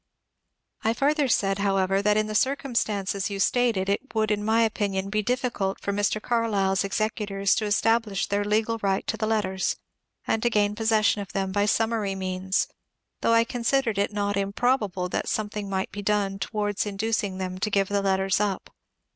I further said, however, that in the circumstances yon stated it would in my opinion be difficult for Mr. Carlyle's executors to establish their legal right to the letters and to gain possession of them by summary means, though I con sidered it not improbable that something might be done towards inducing them to give the letters up.